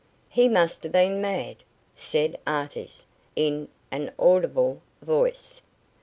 "He must have been mad," said Artis, in an audible voice.